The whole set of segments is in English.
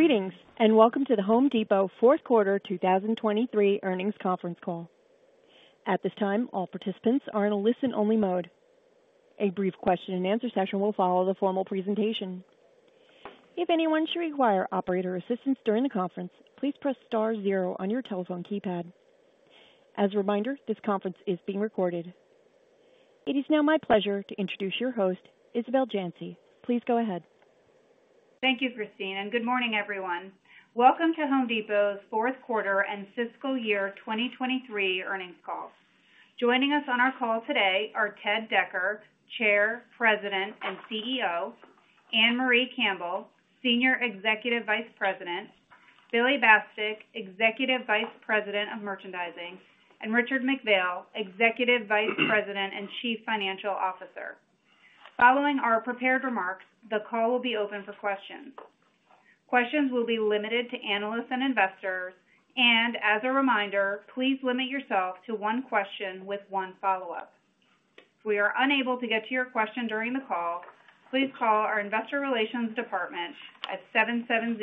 Greetings and welcome to The Home Depot fourth quarter 2023 earnings conference call. At this time, all participants are in a listen-only mode. A brief question-and-answer session will follow the formal presentation. If anyone should require operator assistance during the conference, please press star zero on your telephone keypad. As a reminder, this conference is being recorded. It is now my pleasure to introduce your host, Isabel Janci. Please go ahead. Thank you, Christine, and good morning, everyone. Welcome to Home Depot's fourth quarter and fiscal year 2023 earnings call. Joining us on our call today are Ted Decker, Chair, President, and CEO, Ann-Marie Campbell, Senior Executive Vice President, Billy Bastek, Executive Vice President of Merchandising, and Richard McPhail, Executive Vice President and Chief Financial Officer. Following our prepared remarks, the call will be open for questions. Questions will be limited to analysts and investors, and as a reminder, please limit yourself to one question with one follow-up. If we are unable to get to your question during the call, please call our Investor Relations Department at 770-384-2387.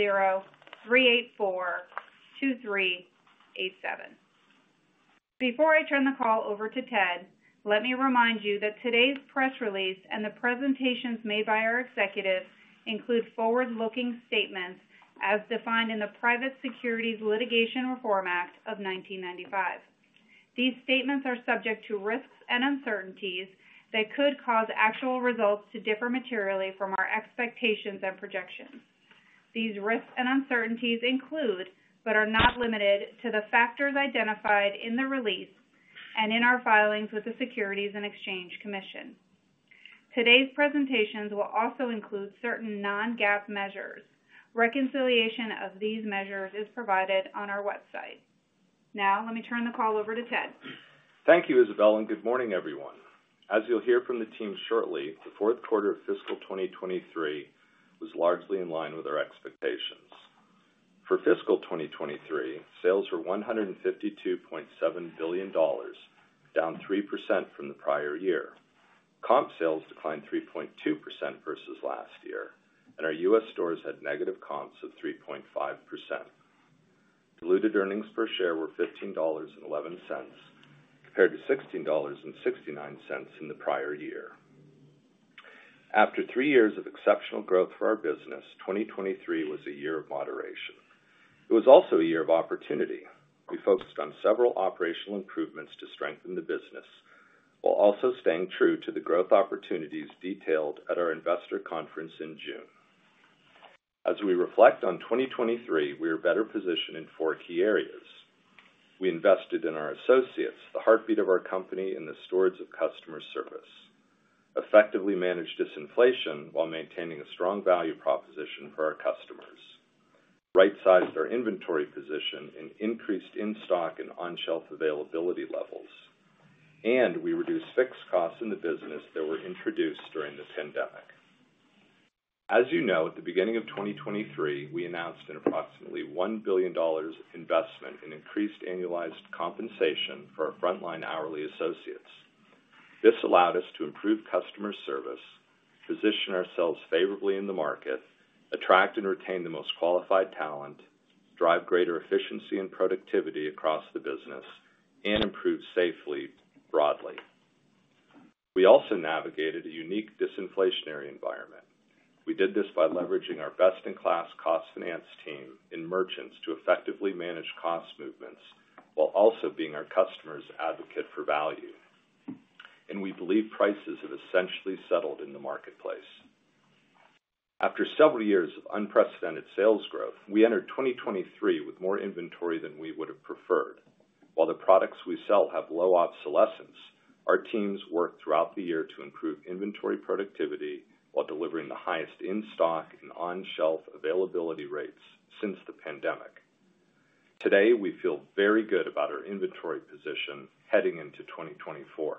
Before I turn the call over to Ted, let me remind you that today's press release and the presentations made by our executives include forward-looking statements as defined in the Private Securities Litigation Reform Act of 1995. These statements are subject to risks and uncertainties that could cause actual results to differ materially from our expectations and projections. These risks and uncertainties include but are not limited to the factors identified in the release and in our filings with the Securities and Exchange Commission. Today's presentations will also include certain non-GAAP measures. Reconciliation of these measures is provided on our website. Now, let me turn the call over to Ted. Thank you, Isabel, and good morning, everyone. As you'll hear from the team shortly, the fourth quarter of fiscal 2023 was largely in line with our expectations. For fiscal 2023, sales were $152.7 billion, down 3% from the prior year. Comp sales declined 3.2% versus last year, and our U.S. stores had negative comps of 3.5%. Diluted earnings per share were $15.11, compared to $16.69 in the prior year. After three years of exceptional growth for our business, 2023 was a year of moderation. It was also a year of opportunity. We focused on several operational improvements to strengthen the business while also staying true to the growth opportunities detailed at our Investor Conference in June. As we reflect on 2023, we are better positioned in four key areas. We invested in our associates, the heartbeat of our company and the stewards of customer service. Effectively managed disinflation while maintaining a strong value proposition for our customers. Right-sized our inventory position and increased in-stock and on-shelf availability levels. We reduced fixed costs in the business that were introduced during the pandemic. As you know, at the beginning of 2023, we announced an approximately $1 billion investment in increased annualized compensation for our frontline hourly associates. This allowed us to improve customer service, position ourselves favorably in the market, attract and retain the most qualified talent, drive greater efficiency and productivity across the business, and improve safety, broadly. We also navigated a unique disinflationary environment. We did this by leveraging our best-in-class cost finance team and merchants to effectively manage cost movements while also being our customer's advocate for value. We believe prices have essentially settled in the marketplace. After several years of unprecedented sales growth, we entered 2023 with more inventory than we would have preferred. While the products we sell have low obsolescence, our teams worked throughout the year to improve inventory productivity while delivering the highest in-stock and on-shelf availability rates since the pandemic. Today, we feel very good about our inventory position heading into 2024.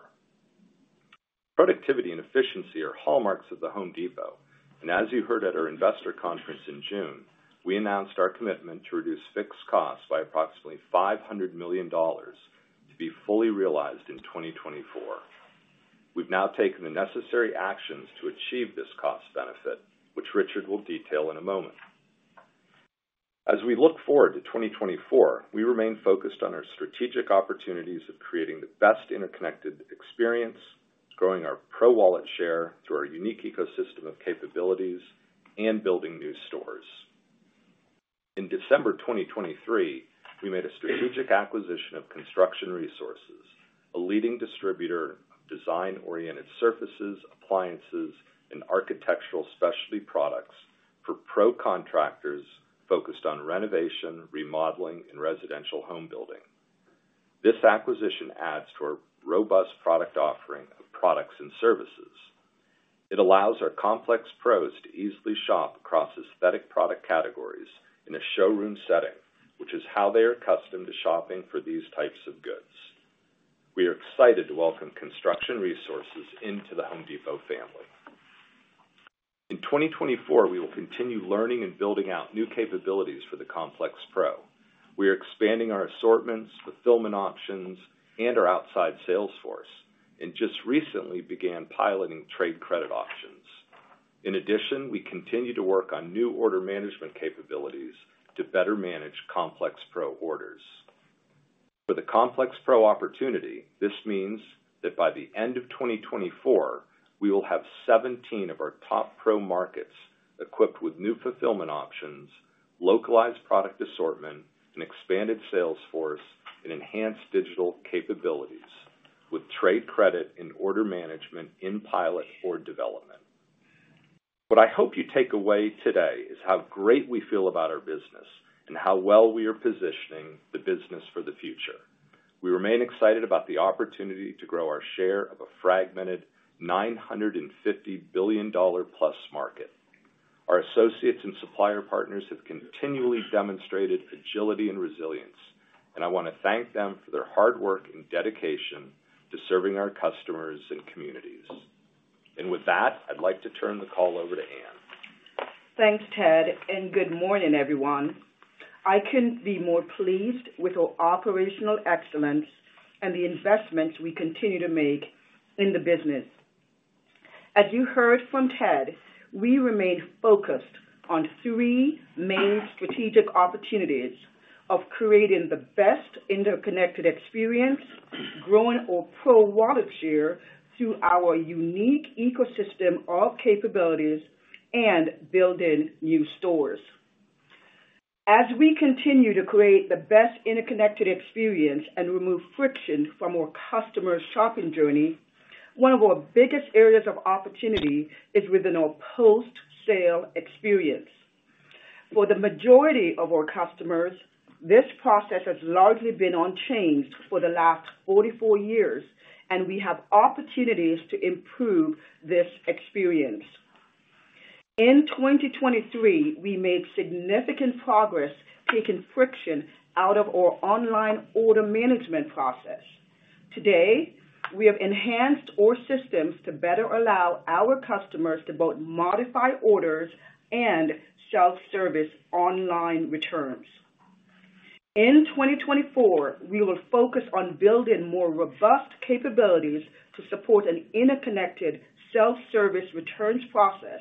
Productivity and efficiency are hallmarks of The Home Depot, and as you heard at our Investor Conference in June, we announced our commitment to reduce fixed costs by approximately $500 million to be fully realized in 2024. We've now taken the necessary actions to achieve this cost benefit, which Richard will detail in a moment. As we look forward to 2024, we remain focused on our strategic opportunities of creating the best Interconnected Experience, growing our Pro wallet share through our unique Pro ecosystem of capabilities, and building new stores. In December 2023, we made a strategic acquisition of Construction Resources, a leading distributor of design-oriented surfaces, appliances, and architectural specialty products for Pro contractors focused on renovation, remodeling, and residential home building. This acquisition adds to our robust product offering of products and services. It allows our Complex Pros to easily shop across aesthetic product categories in a showroom setting, which is how they are accustomed to shopping for these types of goods. We are excited to welcome Construction Resources into The Home Depot family. In 2024, we will continue learning and building out new capabilities for the complex pro. We are expanding our assortments, fulfillment options, and our outside sales force, and just recently began piloting trade credit options. In addition, we continue to work on new order management capabilities to better manage complex pro orders. For the Complex Pro opportunity, this means that by the end of 2024, we will have 17 of our top Pro markets equipped with new fulfillment options, localized product assortment, an expanded sales force, and enhanced digital capabilities, with trade credit and order management in pilot or development. What I hope you take away today is how great we feel about our business and how well we are positioning the business for the future. We remain excited about the opportunity to grow our share of a fragmented $950 billion+ market. Our associates and supplier partners have continually demonstrated agility and resilience, and I want to thank them for their hard work and dedication to serving our customers and communities. With that, I'd like to turn the call over to Ann. Thanks, Ted, and good morning, everyone. I couldn't be more pleased with our operational excellence and the investments we continue to make in the business. As you heard from Ted, we remain focused on three main strategic opportunities of creating the best interconnected experience, growing our Pro wallet share through our unique ecosystem of capabilities, and building new stores. As we continue to create the best interconnected experience and remove friction from our customer's shopping journey, one of our biggest areas of opportunity is within our post-sale experience. For the majority of our customers, this process has largely been unchanged for the last 44 years, and we have opportunities to improve this experience. In 2023, we made significant progress taking friction out of our online order management process. Today, we have enhanced our systems to better allow our customers to both modify orders and self-service online returns. In 2024, we will focus on building more robust capabilities to support an interconnected self-service returns process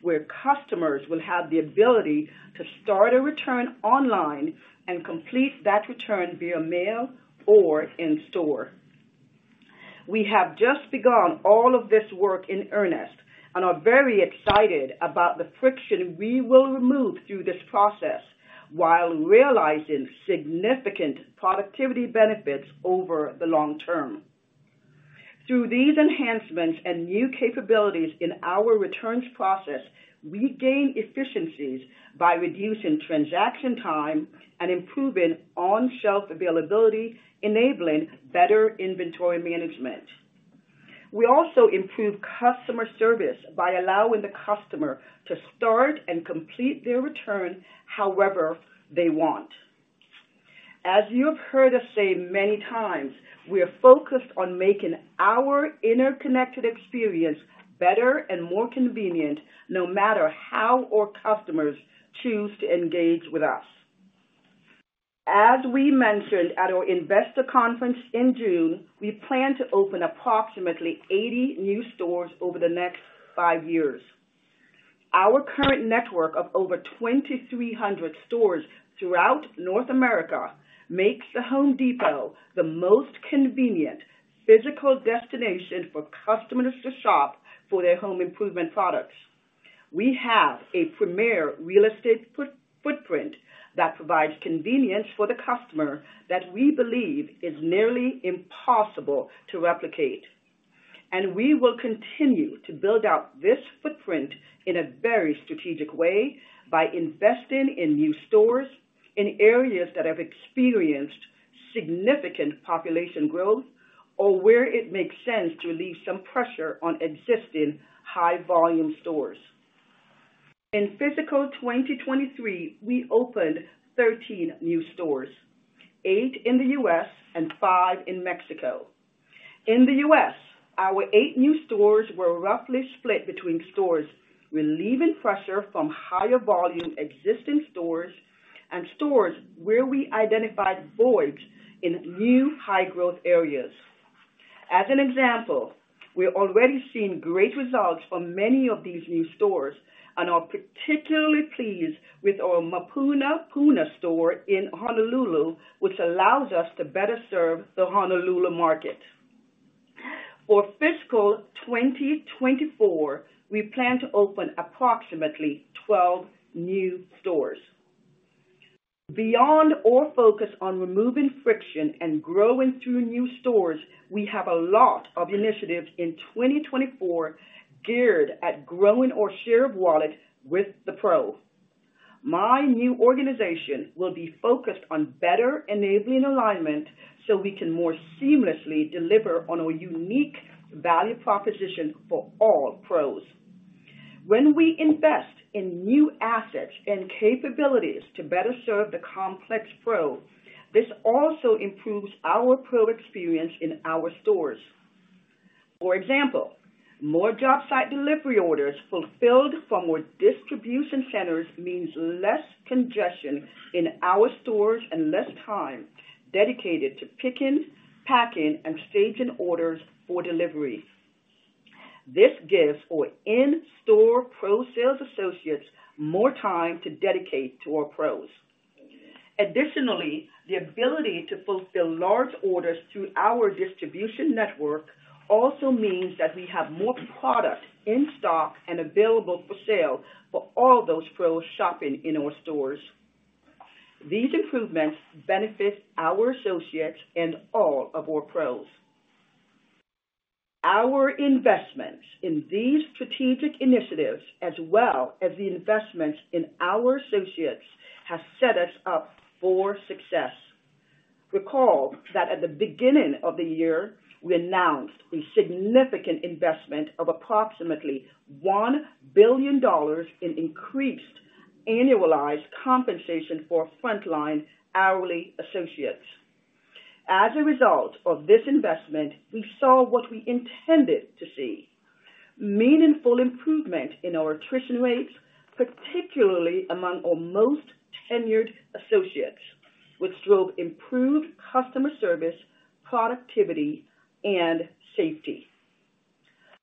where customers will have the ability to start a return online and complete that return via mail or in-store. We have just begun all of this work in earnest and are very excited about the friction we will remove through this process while realizing significant productivity benefits over the long term. Through these enhancements and new capabilities in our returns process, we gain efficiencies by reducing transaction time and improving on-shelf availability, enabling better inventory management. We also improve customer service by allowing the customer to start and complete their return however they want. As you have heard us say many times, we are focused on making our interconnected experience better and more convenient no matter how our customers choose to engage with us. As we mentioned at our Investor Conference in June, we plan to open approximately 80 new stores over the next 5 years. Our current network of over 2,300 stores throughout North America makes The Home Depot the most convenient physical destination for customers to shop for their home improvement products. We have a premier real estate footprint that provides convenience for the customer that we believe is nearly impossible to replicate. We will continue to build out this footprint in a very strategic way by investing in new stores in areas that have experienced significant population growth or where it makes sense to relieve some pressure on existing high-volume stores. In fiscal 2023, we opened 13 new stores, 8 in the U.S. and 5 in Mexico. In the U.S., our 8 new stores were roughly split between stores relieving pressure from higher-volume existing stores and stores where we identified voids in new high-growth areas. As an example, we're already seeing great results from many of these new stores, and are particularly pleased with our Mapunapuna store in Honolulu, which allows us to better serve the Honolulu market. For fiscal 2024, we plan to open approximately 12 new stores. Beyond our focus on removing friction and growing through new stores, we have a lot of initiatives in 2024 geared at growing our Share of Wallet with the Pro. My new organization will be focused on better enabling alignment so we can more seamlessly deliver on our unique value proposition for all Pros. When we invest in new assets and capabilities to better serve the Complex Pro, this also improves our Pro experience in our stores. For example, more jobsite delivery orders fulfilled from our distribution centers means less congestion in our stores and less time dedicated to picking, packing, and staging orders for delivery. This gives our in-store Pro sales associates more time to dedicate to our Pros. Additionally, the ability to fulfill large orders through our distribution network also means that we have more product in stock and available for sale for all those Pros shopping in our stores. These improvements benefit our associates and all of our Pros. Our investments in these strategic initiatives, as well as the investments in our associates, have set us up for success. Recall that at the beginning of the year, we announced a significant investment of approximately $1 billion in increased annualized compensation for frontline hourly associates. As a result of this investment, we saw what we intended to see: meaningful improvement in our attrition rates, particularly among our most tenured associates, which drove improved customer service, productivity, and safety.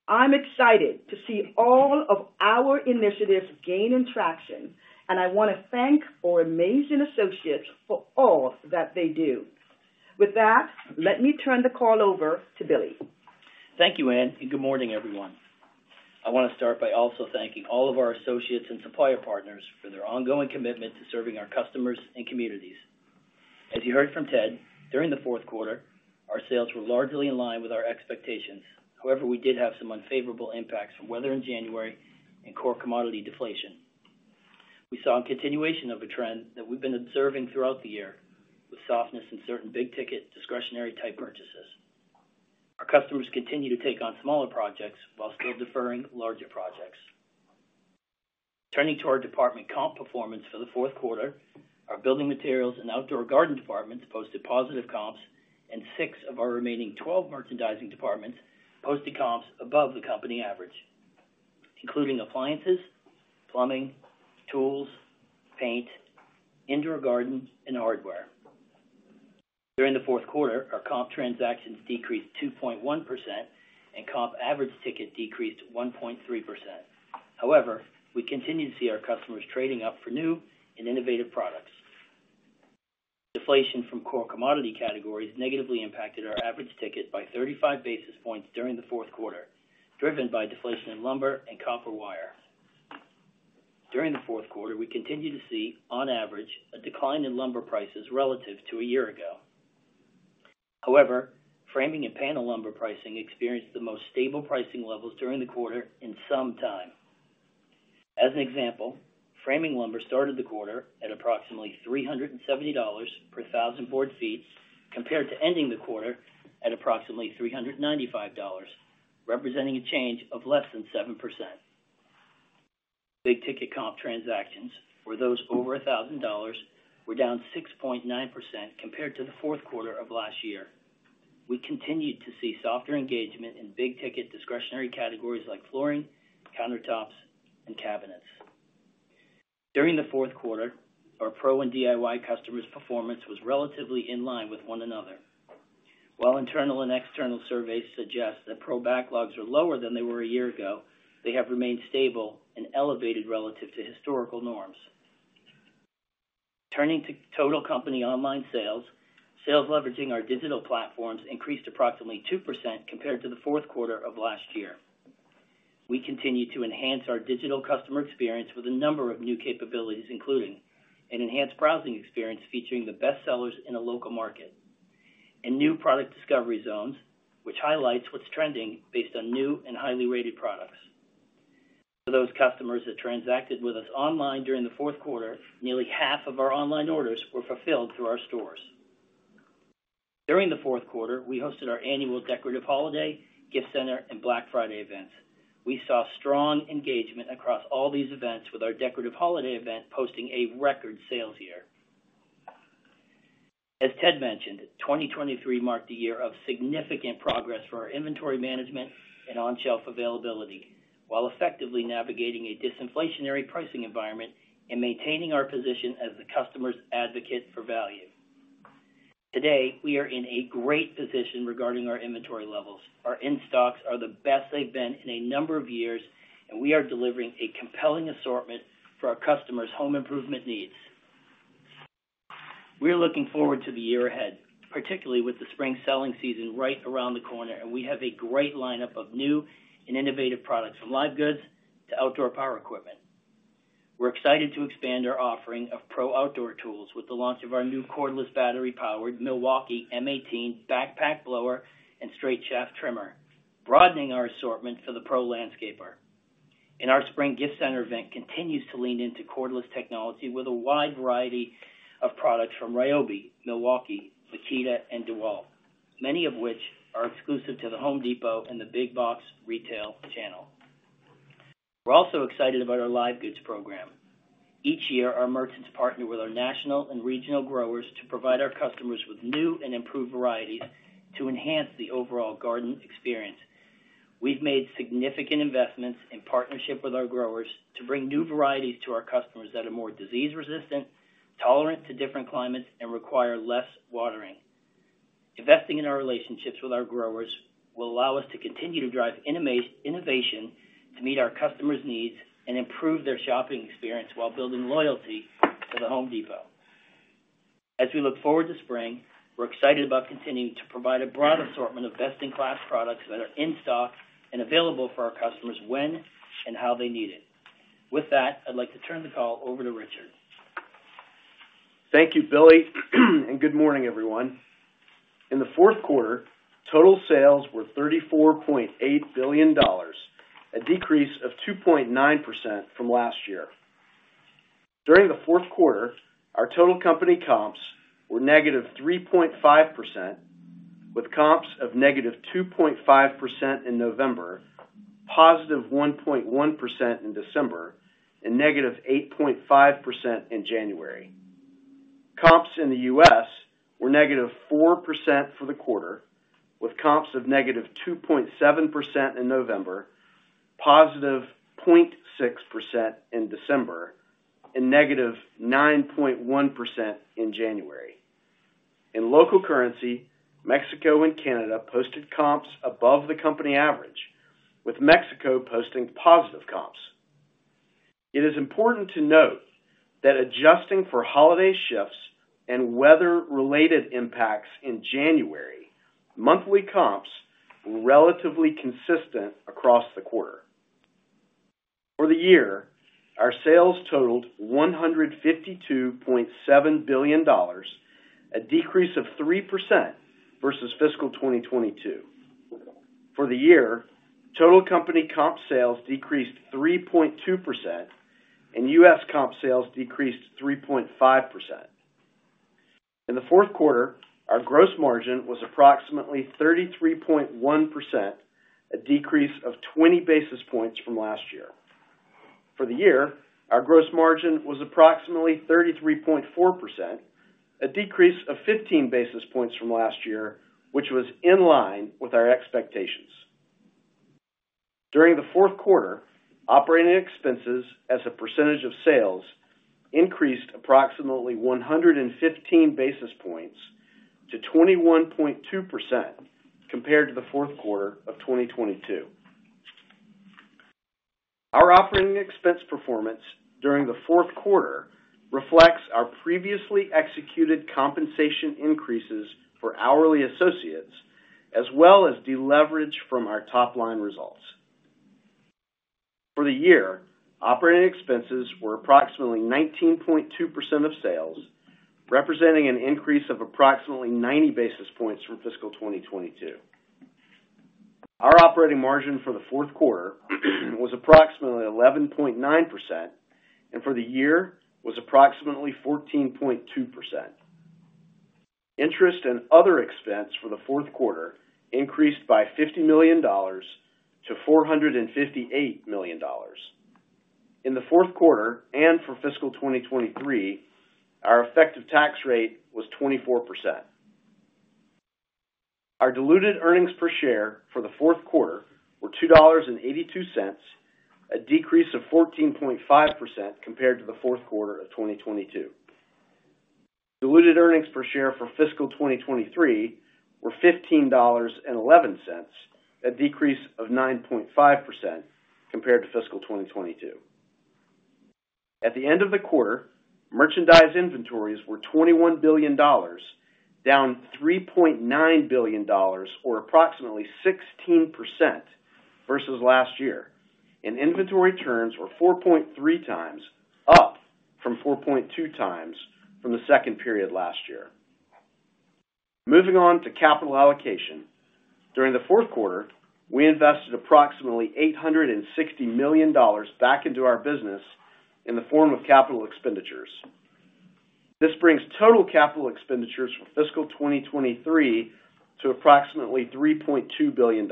I'm excited to see all of our initiatives gaining traction, and I want to thank our amazing associates for all that they do. With that, let me turn the call over to Billy. Thank you, Ann, and good morning, everyone. I want to start by also thanking all of our associates and supplier partners for their ongoing commitment to serving our customers and communities. As you heard from Ted, during the fourth quarter, our sales were largely in line with our expectations. However, we did have some unfavorable impacts from weather in January and core commodity deflation. We saw a continuation of a trend that we've been observing throughout the year, with softness in certain big-ticket, discretionary-type purchases. Our customers continue to take on smaller projects while still deferring larger projects. Turning to our department comp performance for the fourth quarter, our building materials and outdoor garden departments posted positive comps, and six of our remaining 12 merchandising departments posted comps above the company average, including appliances, plumbing, tools, paint, indoor garden, and hardware. During the fourth quarter, our comp transactions decreased 2.1%, and comp average ticket decreased 1.3%. However, we continue to see our customers trading up for new and innovative products. Deflation from core commodity categories negatively impacted our average ticket by 35 basis points during the fourth quarter, driven by deflation in lumber and copper wire. During the fourth quarter, we continue to see, on average, a decline in lumber prices relative to a year ago. However, framing and panel lumber pricing experienced the most stable pricing levels during the quarter in some time. As an example, framing lumber started the quarter at approximately $370 per 1,000 board feet compared to ending the quarter at approximately $395, representing a change of less than 7%. Big-Ticket comp transactions, or those over $1,000, were down 6.9% compared to the fourth quarter of last year. We continued to see softer engagement in Big-Ticket discretionary categories like flooring, countertops, and cabinets. During the fourth quarter, our Pro and DIY customers' performance was relatively in line with one another. While internal and external surveys suggest that Pro backlogs are lower than they were a year ago, they have remained stable and elevated relative to historical norms. Turning to total company online sales, sales leveraging our digital platforms increased approximately 2% compared to the fourth quarter of last year. We continue to enhance our digital customer experience with a number of new capabilities, including an enhanced browsing experience featuring the bestsellers in a local market, and new product discovery zones, which highlights what's trending based on new and highly rated products. For those customers that transacted with us online during the fourth quarter, nearly half of our online orders were fulfilled through our stores. During the fourth quarter, we hosted our annual Decorative Holiday, Gift Center, and Black Friday events. We saw strong engagement across all these events, with our Decorative Holiday event posting a record sales year. As Ted mentioned, 2023 marked a year of significant progress for our inventory management and on-shelf availability while effectively navigating a disinflationary pricing environment and maintaining our position as the customer's advocate for value. Today, we are in a great position regarding our inventory levels. Our in-stocks are the best they've been in a number of years, and we are delivering a compelling assortment for our customers' home improvement needs. We're looking forward to the year ahead, particularly with the spring selling season right around the corner, and we have a great lineup of new and innovative products from live goods to outdoor power equipment. We're excited to expand our offering of Pro outdoor tools with the launch of our new cordless battery-powered Milwaukee M18 backpack blower and straight shaft trimmer, broadening our assortment for the Pro landscaper. Our spring Gift Center event continues to lean into cordless technology with a wide variety of products from Ryobi, Milwaukee, Makita, and DeWalt, many of which are exclusive to The Home Depot and the Big Box retail channel. We're also excited about our live goods program. Each year, our merchants partner with our national and regional growers to provide our customers with new and improved varieties to enhance the overall garden experience. We've made significant investments in partnership with our growers to bring new varieties to our customers that are more disease-resistant, tolerant to different climates, and require less watering. Investing in our relationships with our growers will allow us to continue to drive innovation to meet our customers' needs and improve their shopping experience while building loyalty to The Home Depot. As we look forward to spring, we're excited about continuing to provide a broad assortment of best-in-class products that are in stock and available for our customers when and how they need it. With that, I'd like to turn the call over to Richard. Thank you, Billy, and good morning, everyone. In the fourth quarter, total sales were $34.8 billion, a decrease of 2.9% from last year. During the fourth quarter, our total company comps were -3.5%, with comps of -2.5% in November, +1.1% in December, and -8.5% in January. Comps in the U.S. were -4% for the quarter, with comps of -2.7% in November, +0.6% in December, and -9.1% in January. In local currency, Mexico and Canada posted comps above the company average, with Mexico posting positive comps. It is important to note that adjusting for holiday shifts and weather-related impacts in January, monthly comps were relatively consistent across the quarter. For the year, our sales totaled $152.7 billion, a decrease of 3% versus fiscal 2022. For the year, total company comp sales decreased 3.2%, and U.S. comp sales decreased 3.5%. In the fourth quarter, our gross margin was approximately 33.1%, a decrease of 20 basis points from last year. For the year, our gross margin was approximately 33.4%, a decrease of 15 basis points from last year, which was in line with our expectations. During the fourth quarter, operating expenses as a percentage of sales increased approximately 115 basis points to 21.2% compared to the fourth quarter of 2022. Our operating expense performance during the fourth quarter reflects our previously executed compensation increases for hourly associates, as well as deleverage from our top-line results. For the year, operating expenses were approximately 19.2% of sales, representing an increase of approximately 90 basis points from fiscal 2022. Our operating margin for the fourth quarter was approximately 11.9%, and for the year was approximately 14.2%. Interest and other expense for the fourth quarter increased by $50 million to $458 million. In the fourth quarter and for fiscal 2023, our effective tax rate was 24%. Our diluted earnings per share for the fourth quarter were $2.82, a decrease of 14.5% compared to the fourth quarter of 2022. Diluted earnings per share for fiscal 2023 were $15.11, a decrease of 9.5% compared to fiscal 2022. At the end of the quarter, merchandise inventories were $21 billion, down $3.9 billion, or approximately 16% versus last year, and inventory turns were 4.3x up from 4.2x from the second period last year. Moving on to capital allocation, during the fourth quarter, we invested approximately $860 million back into our business in the form of capital expenditures. This brings total capital expenditures for fiscal 2023 to approximately $3.2 billion.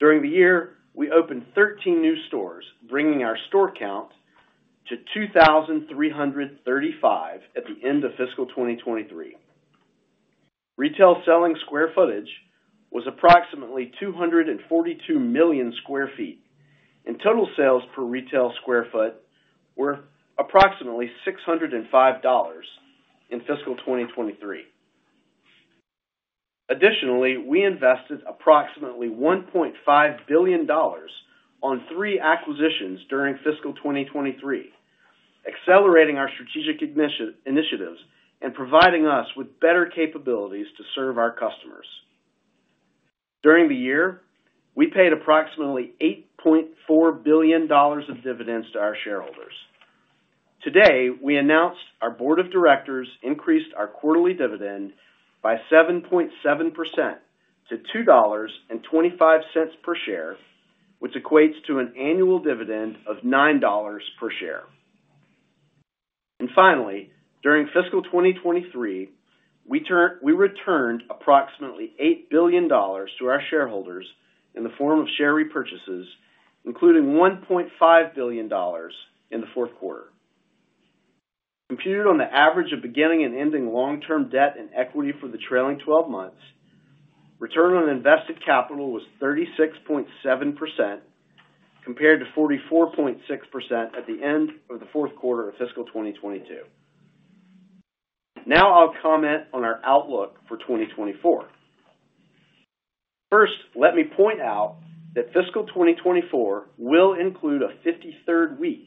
During the year, we opened 13 new stores, bringing our store count to 2,335 at the end of fiscal 2023. Retail selling square footage was approximately 242 million sq ft, and total sales per retail square feet were approximately $605 in fiscal 2023. Additionally, we invested approximately $1.5 billion on three acquisitions during fiscal 2023, accelerating our strategic initiatives and providing us with better capabilities to serve our customers. During the year, we paid approximately $8.4 billion of dividends to our shareholders. Today, we announced our Board of Directors increased our quarterly dividend by 7.7% to $2.25 per share, which equates to an annual dividend of $9 per share. Finally, during fiscal 2023, we returned approximately $8 billion to our shareholders in the form of share repurchases, including $1.5 billion in the fourth quarter. Computed on the average of beginning and ending long-term debt and equity for the trailing 12 months, return on invested capital was 36.7% compared to 44.6% at the end of the fourth quarter of fiscal 2022. Now I'll comment on our outlook for 2024. First, let me point out that fiscal 2024 will include a 53rd week,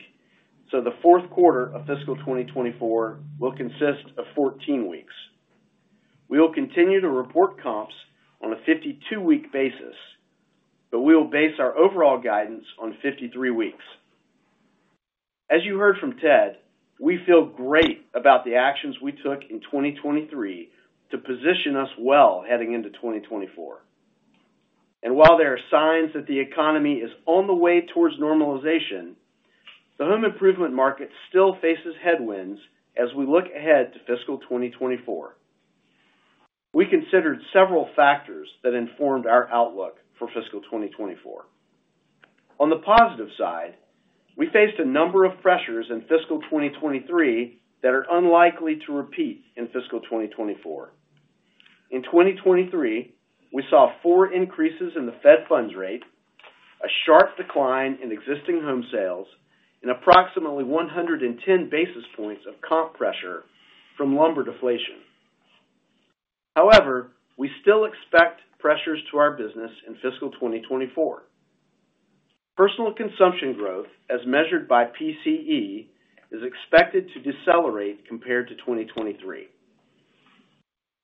so the fourth quarter of fiscal 2024 will consist of 14 weeks. We'll continue to report comps on a 52-week basis, but we'll base our overall guidance on 53 weeks. As you heard from Ted, we feel great about the actions we took in 2023 to position us well heading into 2024. And while there are signs that the economy is on the way towards normalization, the home improvement market still faces headwinds as we look ahead to fiscal 2024. We considered several factors that informed our outlook for fiscal 2024. On the positive side, we faced a number of pressures in fiscal 2023 that are unlikely to repeat in fiscal 2024. In 2023, we saw four increases in the Fed funds rate, a sharp decline in existing home sales, and approximately 110 basis points of comp pressure from lumber deflation. However, we still expect pressures to our business in fiscal 2024. Personal consumption growth, as measured by PCE, is expected to decelerate compared to 2023.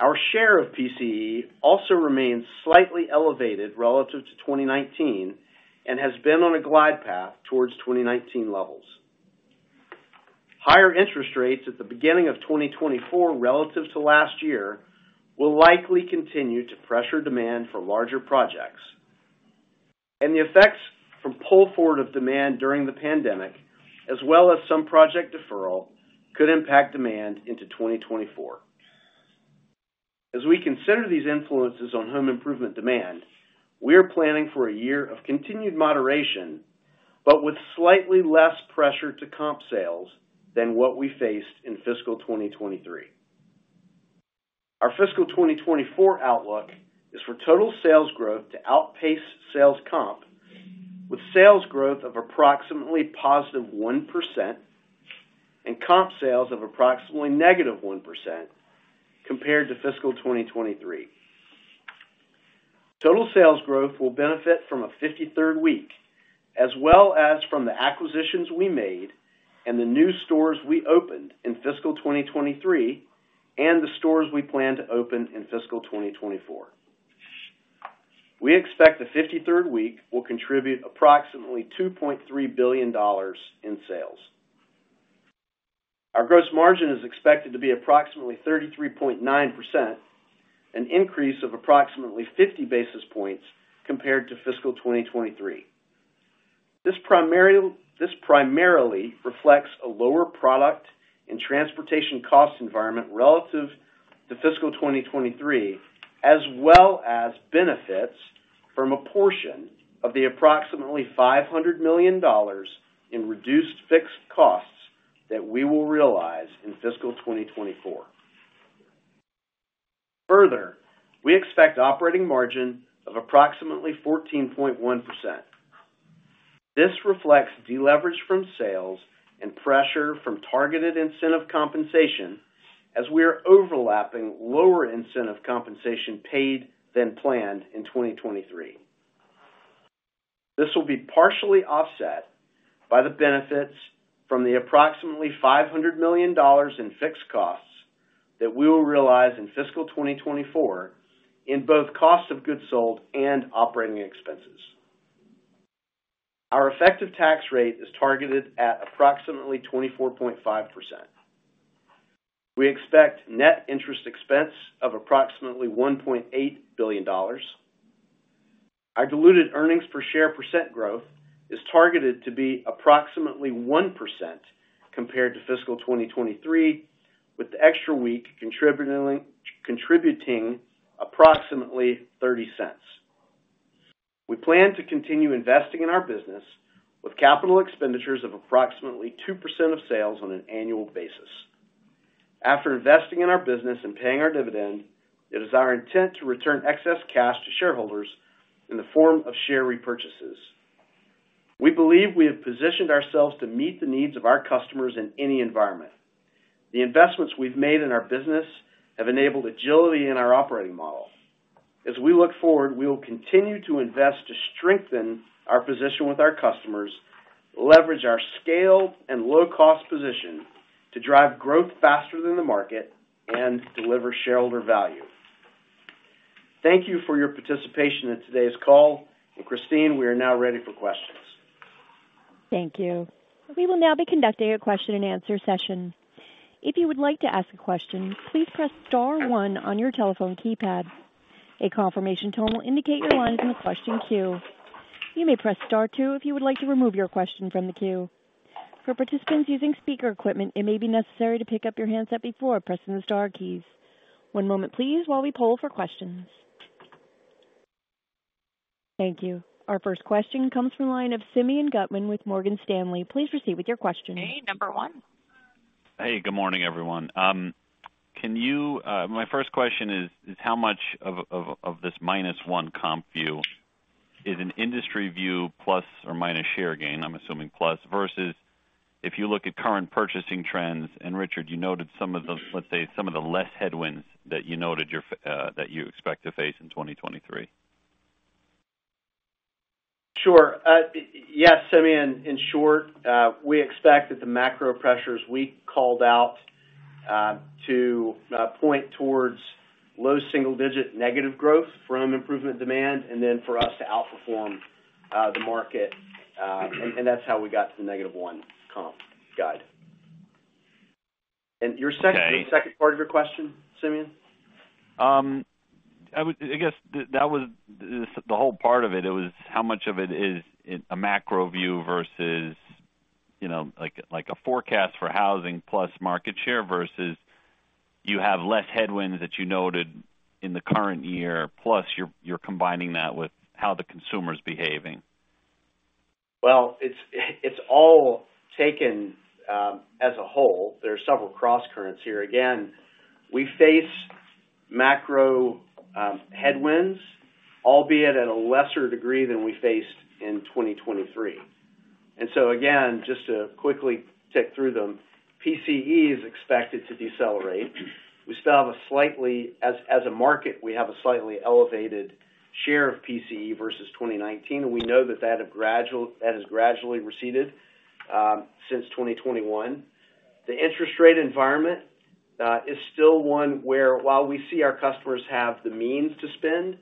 Our share of PCE also remains slightly elevated relative to 2019 and has been on a glide path towards 2019 levels. Higher interest rates at the beginning of 2024 relative to last year will likely continue to pressure demand for larger projects, and the effects from pull forward of demand during the pandemic, as well as some project deferral, could impact demand into 2024. As we consider these influences on home improvement demand, we are planning for a year of continued moderation but with slightly less pressure to comp sales than what we faced in fiscal 2023. Our fiscal 2024 outlook is for total sales growth to outpace sales comp, with sales growth of approximately +1% and comp sales of approximately -1% compared to fiscal 2023. Total sales growth will benefit from a 53rd week, as well as from the acquisitions we made and the new stores we opened in fiscal 2023 and the stores we plan to open in fiscal 2024. We expect the 53rd week will contribute approximately $2.3 billion in sales. Our gross margin is expected to be approximately 33.9%, an increase of approximately 50 basis points compared to fiscal 2023. This primarily reflects a lower product and transportation cost environment relative to fiscal 2023, as well as benefits from a portion of the approximately $500 million in reduced fixed costs that we will realize in fiscal 2024. Further, we expect operating margin of approximately 14.1%. This reflects deleverage from sales and pressure from targeted incentive compensation, as we are overlapping lower incentive compensation paid than planned in 2023. This will be partially offset by the benefits from the approximately $500 million in fixed costs that we will realize in fiscal 2024 in both cost of goods sold and operating expenses. Our effective tax rate is targeted at approximately 24.5%. We expect net interest expense of approximately $1.8 billion. Our diluted earnings per share percent growth is targeted to be approximately 1% compared to fiscal 2023, with the extra week contributing approximately $0.30. We plan to continue investing in our business with capital expenditures of approximately 2% of sales on an annual basis. After investing in our business and paying our dividend, it is our intent to return excess cash to shareholders in the form of share repurchases. We believe we have positioned ourselves to meet the needs of our customers in any environment. The investments we've made in our business have enabled agility in our operating model. As we look forward, we will continue to invest to strengthen our position with our customers, leverage our scaled and low-cost position to drive growth faster than the market, and deliver shareholder value. Thank you for your participation in today's call, and Christine, we are now ready for questions. Thank you. We will now be conducting a question-and-answer session. If you would like to ask a question, please press star one on your telephone keypad. A confirmation tone will indicate your line is in the question queue. You may press star two if you would like to remove your question from the queue. For participants using speaker equipment, it may be necessary to pick up your handset before pressing the star keys. One moment, please, while we pull for questions. Thank you. Our first question comes from the line of Simeon Gutman with Morgan Stanley. Please proceed with your question. Hey, good morning, everyone. My first question is, how much of this -1 comp view is an industry view plus or minus share gain? I'm assuming plus, versus if you look at current purchasing trends. And Richard, you noted some of the, let's say, some of the less headwinds that you noted that you expect to face in 2023. Sure. Yes, Simeon, in short, we expect that the macro pressures we called out, to point towards low single-digit negative growth from home improvement demand and then for us to outperform the market. That's how we got to the negative 1 comp guide. Your second part of your question, Simeon? I guess the whole part of it, it was how much of it is a macro view versus a forecast for housing plus market share versus you have less headwinds that you noted in the current year, plus you're combining that with how the consumer's behaving. Well, it's all taken as a whole. There are several cross-currents here. Again, we face macro headwinds, albeit at a lesser degree than we faced in 2023. And so again, just to quickly tick through them, PCE is expected to decelerate. We still have, as a market, a slightly elevated share of PCE versus 2019, and we know that that has gradually receded since 2021. The interest rate environment is still one where, while we see our customers have the means to spend,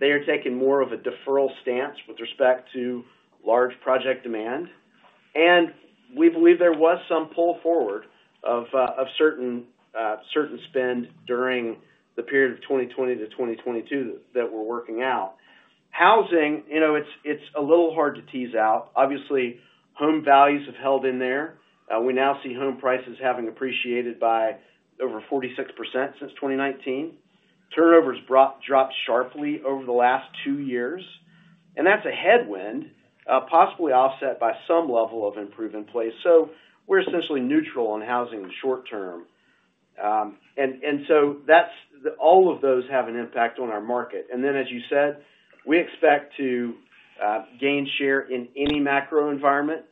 they are taking more of a deferral stance with respect to large project demand. And we believe there was some pull forward of certain spend during the period of 2020 to 2022 that we're working out. Housing, it's a little hard to tease out. Obviously, home values have held in there. We now see home prices having appreciated by over 46% since 2019. Turnovers dropped sharply over the last two years. That's a headwind, possibly offset by some level of improve-in-place. We're essentially neutral on housing short term. All of those have an impact on our market. Then, as you said, we expect to gain share in any macro environment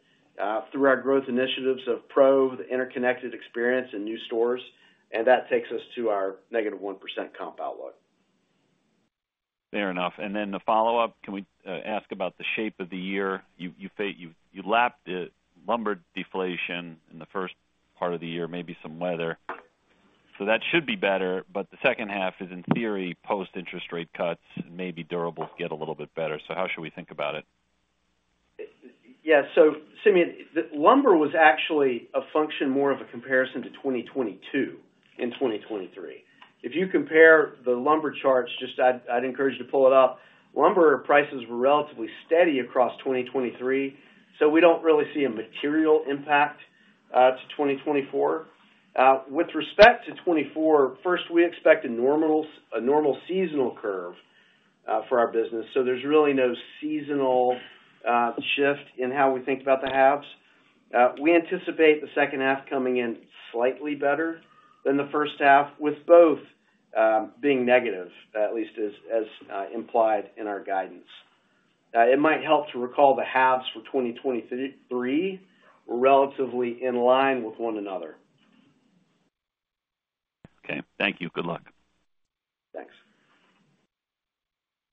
through our growth initiatives of Pro, the interconnected experience, and new stores. That takes us to our -1% comp outlook. Fair enough. And then the follow-up, can we ask about the shape of the year? You lumber deflation in the first part of the year, maybe some weather. So that should be better, but the second half is, in theory, post-interest rate cuts, maybe durables get a little bit better. So how should we think about it? Yeah. So Simeon, lumber was actually a function more of a comparison to 2022 in 2023. If you compare the lumber charts, just, I'd encourage you to pull it up. Lumber prices were relatively steady across 2023, so we don't really see a material impact to 2024. With respect to 2024, first, we expect a normal seasonal curve for our business, so there's really no seasonal shift in how we think about the halves. We anticipate the second half coming in slightly better than the first half, with both being negative, at least as implied in our guidance. It might help to recall the halves for 2023 were relatively in line with one another. Okay. Thank you. Good luck. Thanks.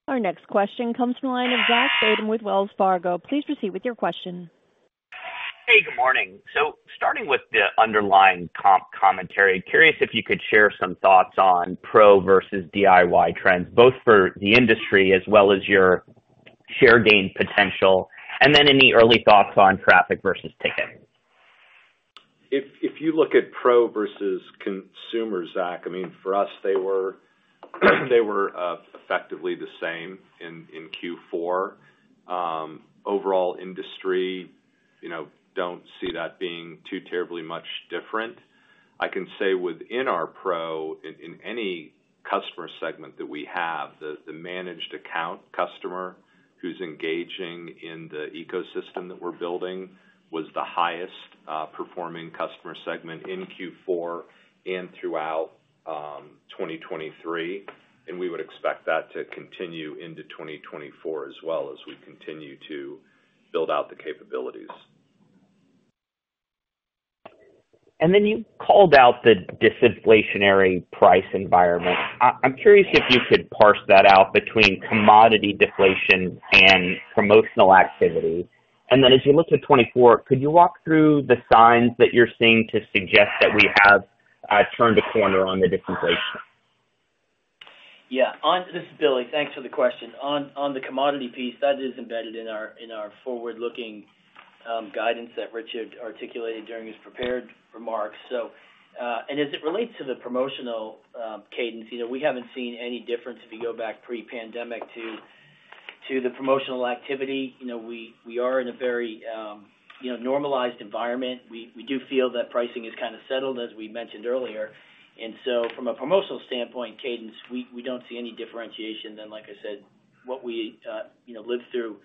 Our next question comes from the line of Zach Fadem with Wells Fargo. Please proceed with your question. Hey, good morning. Starting with the underlying comp commentary, curious if you could share some thoughts on Pro versus DIY trends, both for the industry as well as your share gain potential, and then any early thoughts on traffic versus ticket? If you look at Pro versus consumer, Zach, I mean, for us, they were effectively the same in Q4. Overall industry, don't see that being too terribly much different. I can say within our Pro, in any customer segment that we have, the Managed Account customer who's engaging in the ecosystem that we're building was the highest performing customer segment in Q4 and throughout 2023. We would expect that to continue into 2024 as well as we continue to build out the capabilities. And then you called out the disinflationary price environment. I'm curious if you could parse that out between commodity deflation and promotional activity. And then as you look to 2024, could you walk through the signs that you're seeing to suggest that we have turned a corner on the disinflation? Yeah. This is Billy. Thanks for the question. On the commodity piece, that is embedded in our forward-looking guidance that Richard articulated during his prepared remarks. And as it relates to the promotional cadence, we haven't seen any difference if you go back pre-pandemic to the promotional activity. We are in a very normalized environment. We do feel that pricing is kind of settled, as we mentioned earlier. And so from a promotional standpoint cadence, we don't see any differentiation than, like I said, what we lived through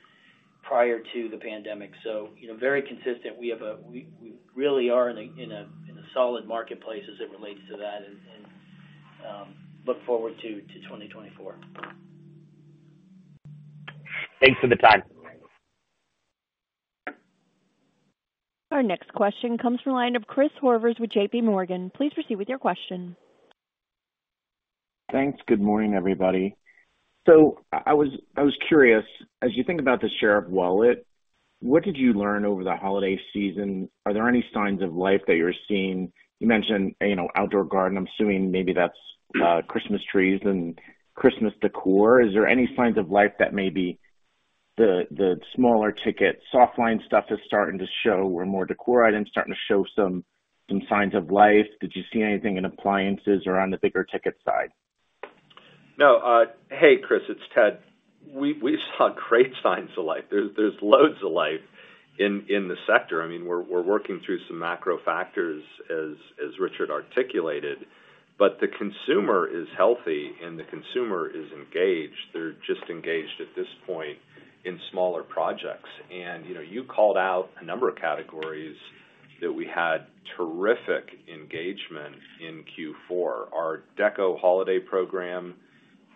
prior to the pandemic. So very consistent. We really are in a solid marketplace as it relates to that and look forward to 2024. Thanks for the time. Our next question comes from the line of Chris Horvers with JPMorgan. Please proceed with your question. Thanks. Good morning, everybody. So I was curious, as you think about the share of wallet, what did you learn over the holiday season? Are there any signs of life that you're seeing? You mentioned outdoor garden. I'm assuming maybe that's Christmas trees and Christmas décor. Is there any signs of life that maybe the smaller ticket softline stuff is starting to show where more décor items starting to show some signs of life? Did you see anything in appliances or on the bigger ticket side? No, hey, Chris. It's Ted. We saw great signs of life. There's loads of life in the sector. I mean, we're working through some macro factors, as Richard articulated, but the consumer is healthy, and the consumer is engaged. They're just engaged at this point in smaller projects. And you called out a number of categories that we had terrific engagement in Q4. Our decor holiday program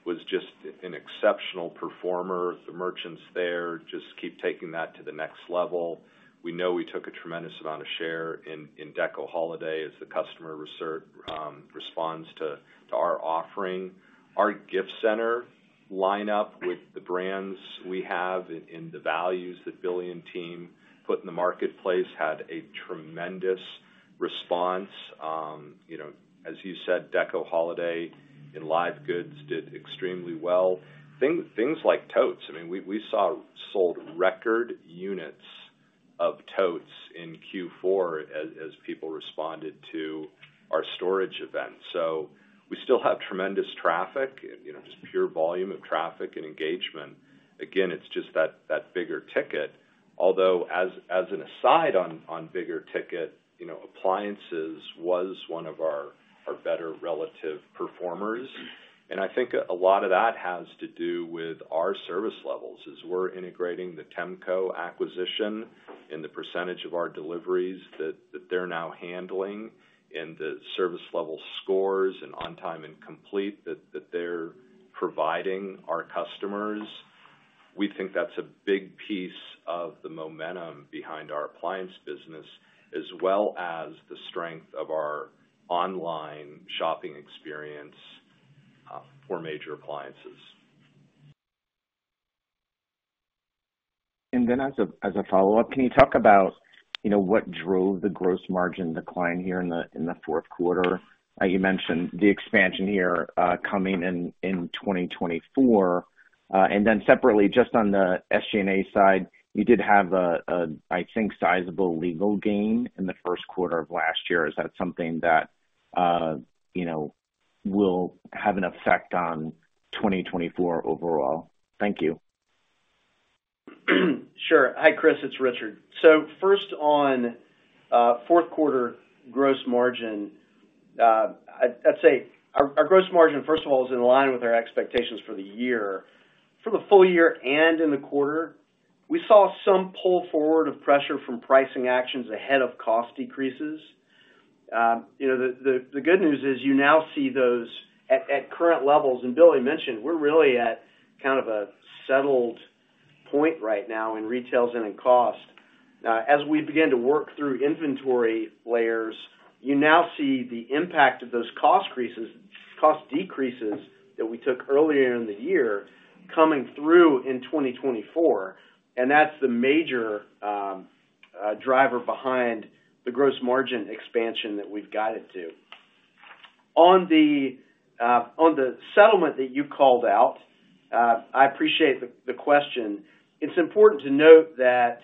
was just an exceptional performer. The merchants there just keep taking that to the next level. We know we took a tremendous amount of share in decor holiday as the customer responds to our offering. Our gift center lineup with the brands we have in the values that Billy and team put in the marketplace had a tremendous response. As you said, decor holiday in live goods did extremely well. Things like totes. I mean, we sold record units of totes in Q4 as people responded to our storage event. So we still have tremendous traffic, just pure volume of traffic and engagement. Again, it's just that bigger ticket. Although, as an aside on bigger ticket, appliances was one of our better relative performers. And I think a lot of that has to do with our service levels, as we're integrating the Temco acquisition in the percentage of our deliveries that they're now handling and the service level scores and on-time and complete that they're providing our customers. We think that's a big piece of the momentum behind our appliance business, as well as the strength of our online shopping experience for major appliances. And then as a follow-up, can you talk about what drove the gross margin decline here in the fourth quarter? You mentioned the expansion here coming in 2024. And then separately, just on the SG&A side, you did have, I think, sizable legal gain in the first quarter of last year. Is that something that will have an effect on 2024 overall? Thank you. Sure. Hi, Chris. It's Richard. So first on fourth-quarter gross margin, I'd say our gross margin, first of all, is in line with our expectations for the year. For the full year and in the quarter, we saw some pull forward of pressure from pricing actions ahead of cost decreases. The good news is you now see those at current levels. And Billy mentioned, we're really at kind of a settled point right now in retail and in cost. As we begin to work through inventory layers, you now see the impact of those cost decreases that we took earlier in the year coming through in 2024. And that's the major driver behind the gross margin expansion that we've got it to. On the settlement that you called out, I appreciate the question. It's important to note that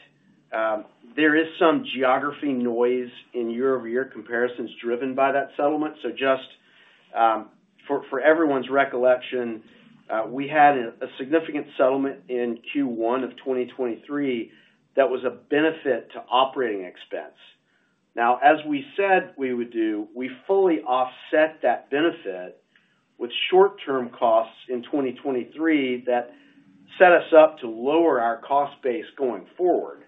there is some geography noise in year-over-year comparisons driven by that settlement. So just for everyone's recollection, we had a significant settlement in Q1 of 2023 that was a benefit to operating expense. Now, as we said we would do, we fully offset that benefit with short-term costs in 2023 that set us up to lower our cost base going forward.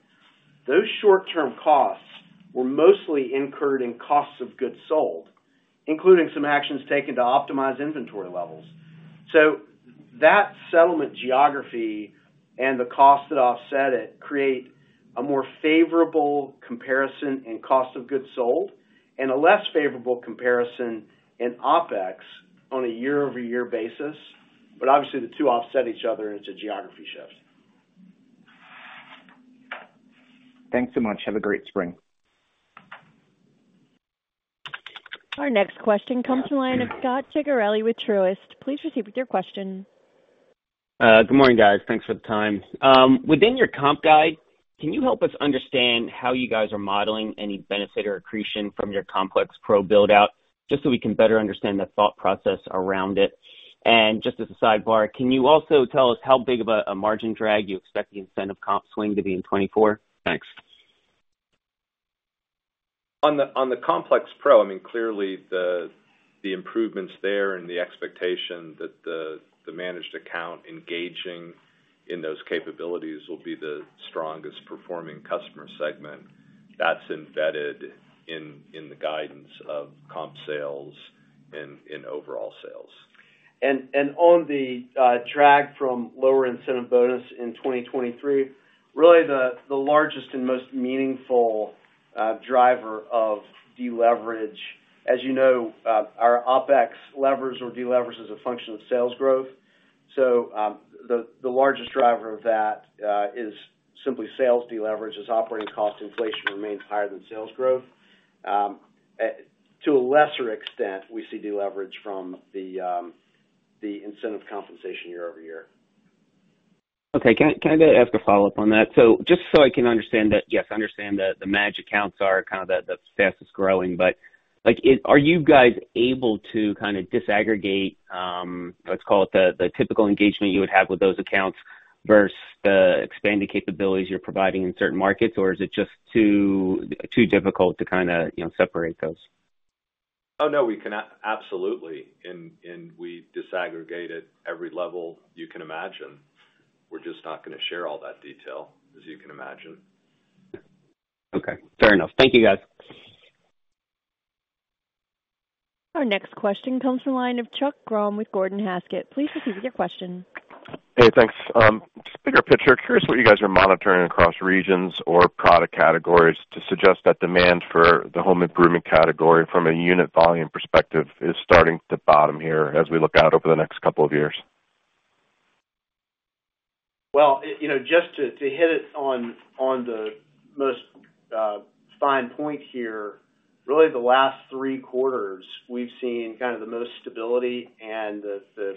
Those short-term costs were mostly incurred in costs of goods sold, including some actions taken to optimize inventory levels. So that settlement geography and the cost that offset it create a more favorable comparison in cost of goods sold and a less favorable comparison in OPEX on a year-over-year basis. But obviously, the two offset each other, and it's a geography shift. Thanks so much. Have a great spring. Our next question comes from the line of Scot Ciccarelli with Truist. Please proceed with your question. Good morning, guys. Thanks for the time. Within your comp guide, can you help us understand how you guys are modeling any benefit or accretion from your Complex Pro buildout just so we can better understand the thought process around it? And just as a sidebar, can you also tell us how big of a margin drag you expect the incentive comp swing to be in 2024? Thanks. On the Complex Pro, I mean, clearly, the improvements there and the expectation that the Managed Account engaging in those capabilities will be the strongest performing customer segment, that's embedded in the guidance of comp sales and overall sales. On the drag from lower incentive bonus in 2023, really the largest and most meaningful driver of deleverage, as you know, our OPEX levers or deleverage is a function of sales growth. The largest driver of that is simply sales deleverage as operating cost inflation remains higher than sales growth. To a lesser extent, we see deleverage from the incentive compensation year-over-year. Okay. Can I ask a follow-up on that? So just so I can understand that yes, I understand that the managed accounts are kind of the fastest growing, but are you guys able to kind of disaggregate, let's call it, the typical engagement you would have with those accounts versus the expanded capabilities you're providing in certain markets, or is it just too difficult to kind of separate those? Oh, no. We can absolutely. And we disaggregate at every level you can imagine. We're just not going to share all that detail, as you can imagine. Okay. Fair enough. Thank you, guys. Our next question comes from the line of Chuck Grom with Gordon Haskett. Please proceed with your question. Hey. Thanks. Just bigger picture, curious what you guys are monitoring across regions or product categories to suggest that demand for the home improvement category from a unit volume perspective is starting to bottom here as we look out over the next couple of years? Well, just to hit it on the most fine point here, really the last three quarters, we've seen kind of the most stability and the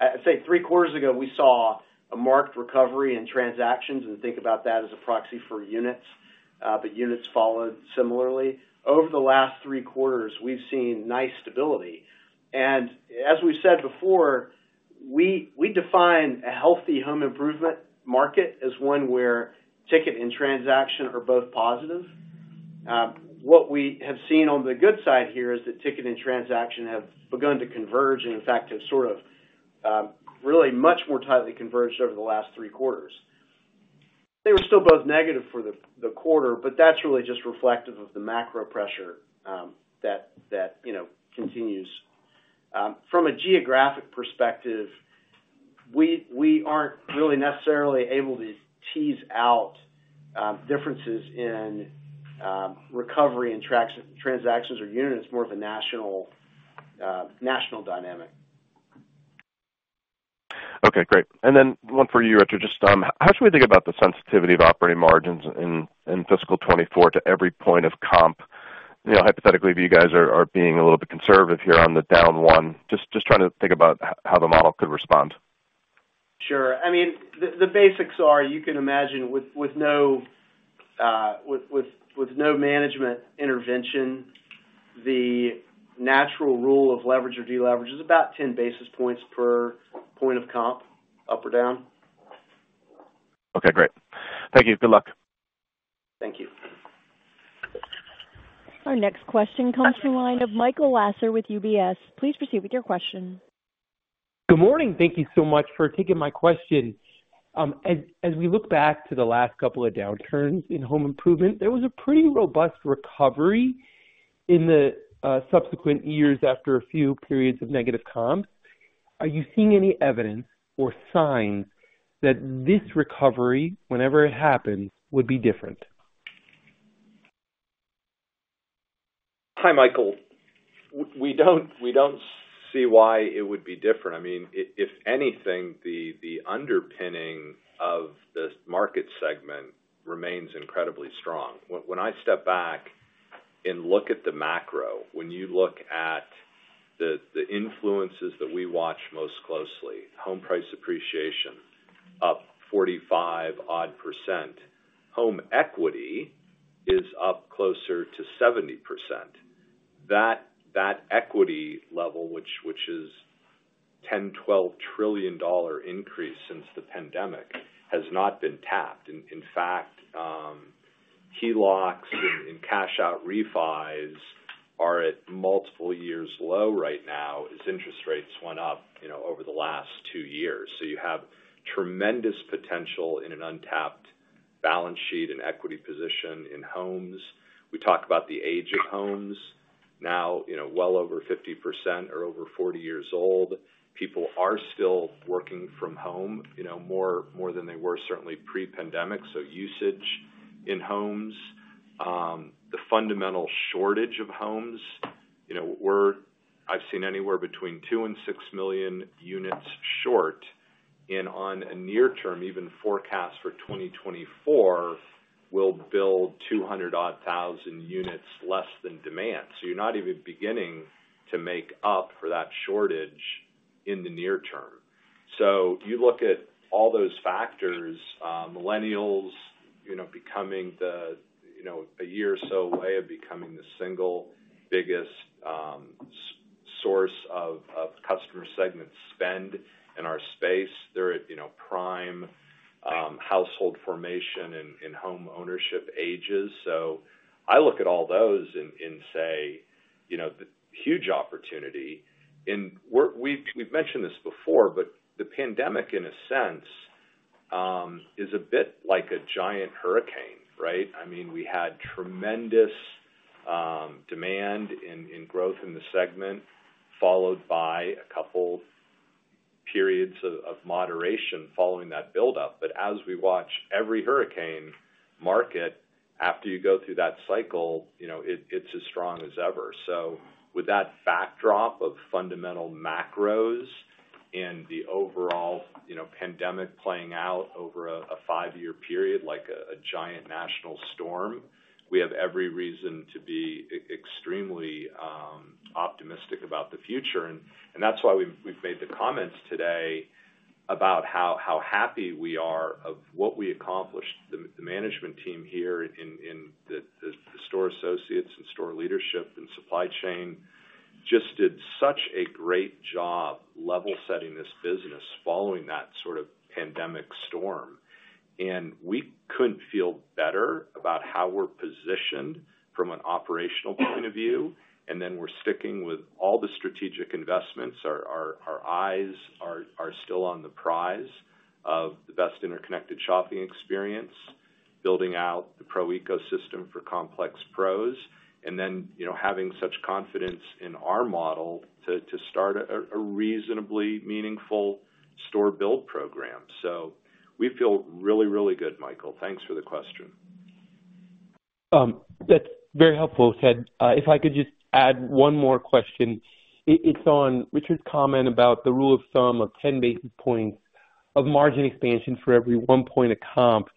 I'd say three quarters ago, we saw a marked recovery in transactions. And think about that as a proxy for units, but units followed similarly. Over the last three quarters, we've seen nice stability. And as we've said before, we define a healthy home improvement market as one where ticket and transaction are both positive. What we have seen on the good side here is that ticket and transaction have begun to converge and, in fact, have sort of really much more tightly converged over the last three quarters. They were still both negative for the quarter, but that's really just reflective of the macro pressure that continues. From a geographic perspective, we aren't really necessarily able to tease out differences in recovery and transactions or units. It's more of a national dynamic. Okay. Great. And then one for you, Richard. Just how should we think about the sensitivity of operating margins in fiscal 2024 to every point of comp? Hypothetically, if you guys are being a little bit conservative here on the down one, just trying to think about how the model could respond. Sure. I mean, the basics are, you can imagine, with no management intervention, the natural rule of leverage or deleverage is about 10 basis points per point of comp, up or down. Okay. Great. Thank you. Good luck. Thank you. Our next question comes from the line of Michael Lasser with UBS. Please proceed with your question. Good morning. Thank you so much for taking my question. As we look back to the last couple of downturns in home improvement, there was a pretty robust recovery in the subsequent years after a few periods of negative comps. Are you seeing any evidence or signs that this recovery, whenever it happens, would be different? Hi, Michael. We don't see why it would be different. I mean, if anything, the underpinning of this market segment remains incredibly strong. When I step back and look at the macro, when you look at the influences that we watch most closely, home price appreciation up 45%-odd, home equity is up closer to 70%. That equity level, which is a $10 trillion-$12 trillion increase since the pandemic, has not been tapped. In fact, HELOCs and cash-out refis are at multiple years low right now as interest rates went up over the last 2 years. So you have tremendous potential in an untapped balance sheet and equity position in homes. We talk about the age of homes. Now, well over 50% are over 40 years old. People are still working from home more than they were, certainly, pre-pandemic. So usage in homes, the fundamental shortage of homes, I've seen anywhere between 2 million and 6 million units short. And on a near term, even forecast for 2024 will build 200-odd thousand units less than demand. So you're not even beginning to make up for that shortage in the near term. So you look at all those factors, millennials becoming a year or so away of becoming the single biggest source of customer segment spend in our space. They're at prime household formation and home ownership ages. So I look at all those and say, "Huge opportunity." And we've mentioned this before, but the pandemic, in a sense, is a bit like a giant hurricane, right? I mean, we had tremendous demand and growth in the segment followed by a couple periods of moderation following that buildup. But as we watch every hurricane market, after you go through that cycle, it's as strong as ever. So with that backdrop of fundamental macros and the overall pandemic playing out over a five-year period like a giant national storm, we have every reason to be extremely optimistic about the future. And that's why we've made the comments today about how happy we are of what we accomplished. The management team here in the store associates and store leadership and supply chain just did such a great job level-setting this business following that sort of pandemic storm. And we couldn't feel better about how we're positioned from an operational point of view. And then we're sticking with all the strategic investments. Our eyes are still on the prize of the best interconnected shopping experience, building out the Pro ecosystem for Complex Pros, and then having such confidence in our model to start a reasonably meaningful store build program. So we feel really, really good, Michael. Thanks for the question. That's very helpful, Ted. If I could just add one more question. It's on Richard's comment about the rule of thumb of 10 basis points of margin expansion for every one point of comp.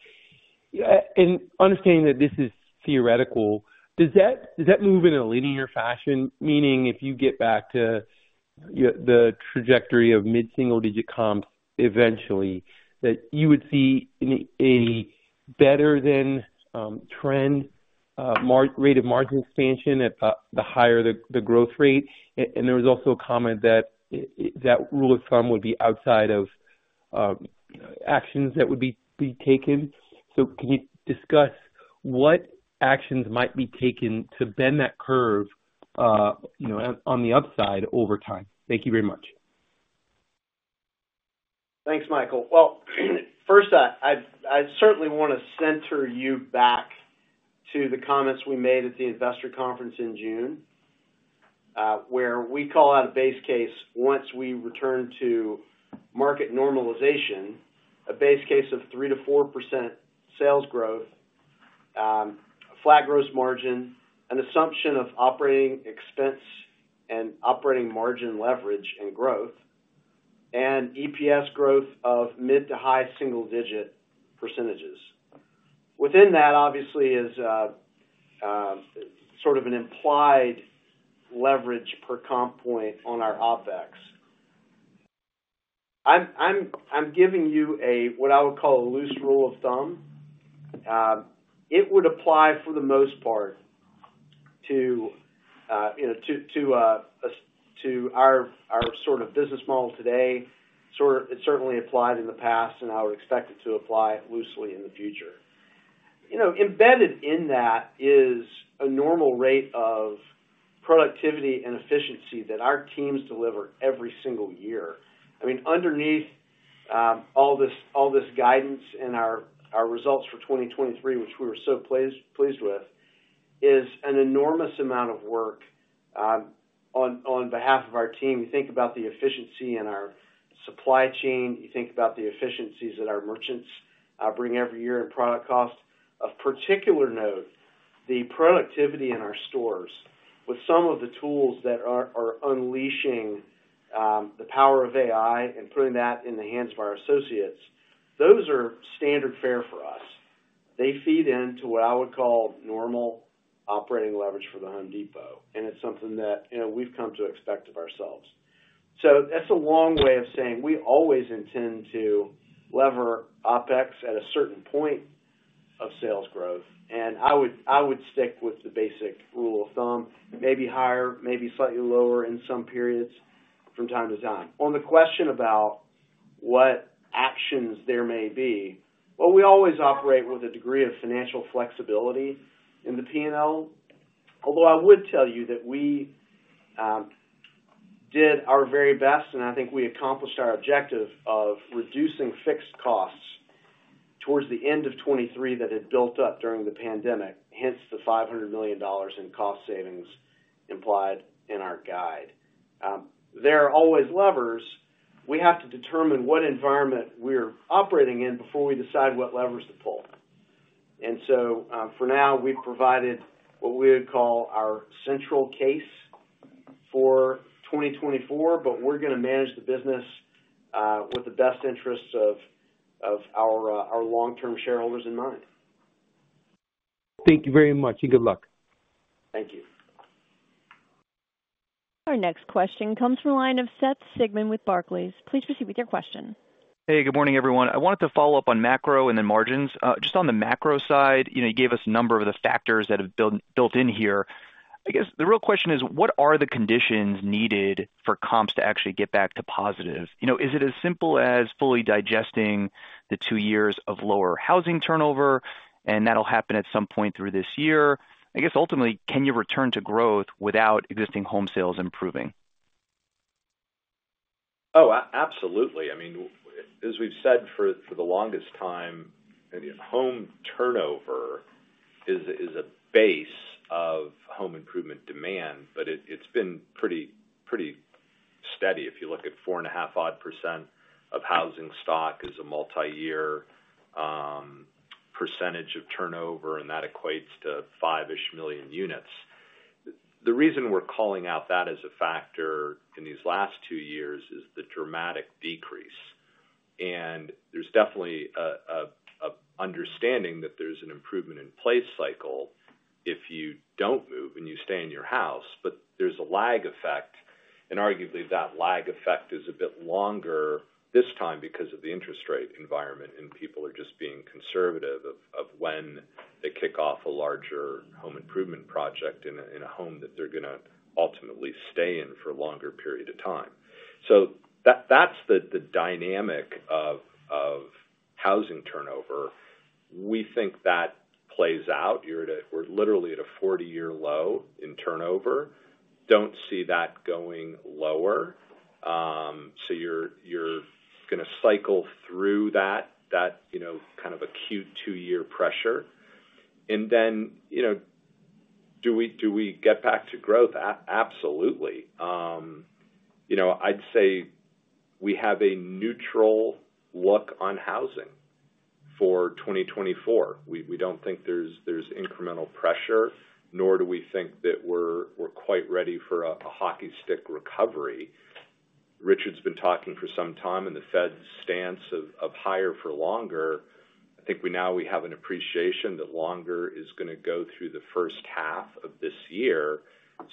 And understanding that this is theoretical, does that move in a linear fashion, meaning if you get back to the trajectory of mid-single-digit comps eventually, that you would see a better-than trend rate of margin expansion at the higher the growth rate? And there was also a comment that that rule of thumb would be outside of actions that would be taken. So can you discuss what actions might be taken to bend that curve on the upside over time? Thank you very much. Thanks, Michael. Well, first, I certainly want to center you back to the comments we made at the Investor Conference in June where we call out a base case once we return to market normalization, a base case of 3%-4% sales growth, flat gross margin, an assumption of operating expense and operating margin leverage and growth, and EPS growth of mid to high single-digit percentages. Within that, obviously, is sort of an implied leverage per comp point on our OpEx. I'm giving you what I would call a loose rule of thumb. It would apply for the most part to our sort of business model today. It certainly applied in the past, and I would expect it to apply loosely in the future. Embedded in that is a normal rate of productivity and efficiency that our teams deliver every single year. I mean, underneath all this guidance and our results for 2023, which we were so pleased with, is an enormous amount of work on behalf of our team. You think about the efficiency in our supply chain. You think about the efficiencies that our merchants bring every year in product cost. Of particular note, the productivity in our stores with some of the tools that are unleashing the power of AI and putting that in the hands of our associates, those are standard fare for us. They feed into what I would call normal operating leverage for The Home Depot. And it's something that we've come to expect of ourselves. So that's a long way of saying we always intend to lever OPEX at a certain point of sales growth. I would stick with the basic rule of thumb, maybe higher, maybe slightly lower in some periods from time to time. On the question about what actions there may be, well, we always operate with a degree of financial flexibility in the P&L. Although I would tell you that we did our very best, and I think we accomplished our objective of reducing fixed costs towards the end of 2023 that had built up during the pandemic, hence the $500 million in cost savings implied in our guide. There are always levers. We have to determine what environment we're operating in before we decide what levers to pull. And so for now, we've provided what we would call our central case for 2024, but we're going to manage the business with the best interests of our long-term shareholders in mind. Thank you very much, and good luck. Thank you. Our next question comes from the line of Seth Sigman with Barclays. Please proceed with your question. Hey. Good morning, everyone. I wanted to follow up on macro and then margins. Just on the macro side, you gave us a number of the factors that have built in here. I guess the real question is, what are the conditions needed for comps to actually get back to positive? Is it as simple as fully digesting the two years of lower housing turnover, and that'll happen at some point through this year? I guess ultimately, can you return to growth without existing home sales improving? Oh, absolutely. I mean, as we've said for the longest time, home turnover is a base of home improvement demand, but it's been pretty steady. If you look at 4.5%-odd of housing stock as a multi-year percentage of turnover, and that equates to 5 million-ish units. The reason we're calling out that as a factor in these last two years is the dramatic decrease. And there's definitely an understanding that there's an improvement in place cycle if you don't move and you stay in your house. But there's a lag effect. And arguably, that lag effect is a bit longer this time because of the interest rate environment, and people are just being conservative of when they kick off a larger home improvement project in a home that they're going to ultimately stay in for a longer period of time. So that's the dynamic of housing turnover. We think that plays out. We're literally at a 40-year low in turnover. Don't see that going lower. So you're going to cycle through that kind of acute 2-year pressure. And then do we get back to growth? Absolutely. I'd say we have a neutral look on housing for 2024. We don't think there's incremental pressure, nor do we think that we're quite ready for a hockey stick recovery. Richard's been talking for some time in the Fed's stance of higher for longer. I think now we have an appreciation that longer is going to go through the first half of this year.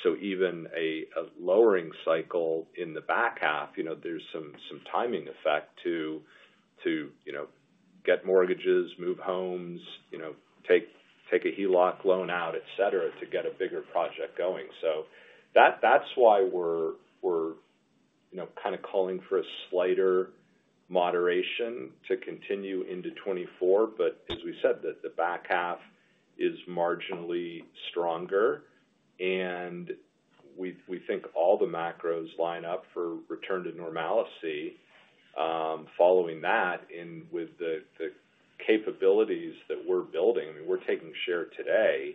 So even a lowering cycle in the back half, there's some timing effect to get mortgages, move homes, take a HELOC loan out, etc., to get a bigger project going. So that's why we're kind of calling for a slighter moderation to continue into 2024. But as we said, the back half is marginally stronger. And we think all the macros line up for return to normality following that with the capabilities that we're building. I mean, we're taking share today